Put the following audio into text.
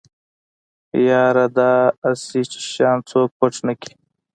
يره دا اسې چې شيان څوک پټ نکي.